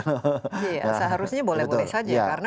iya seharusnya boleh boleh saja